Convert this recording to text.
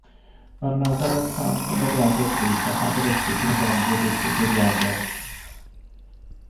Mae'r nofel yn llawn cymeriadau brith, ac Aberystwyth yn gefndir i'r digwyddiadau.